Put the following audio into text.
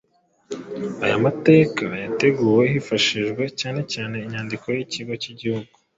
Aya mateka yateguwe hifashishijwe cyane cyane inyandiko y’Ikigo cy’igihugu